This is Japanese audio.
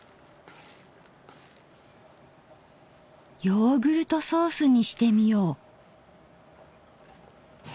ヨーグルトソースにしてみよう。